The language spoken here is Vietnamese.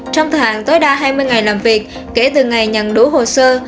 trong thời hạn tối đa hai mươi ngày làm việc kể từ ngày nhận đủ hồ sơ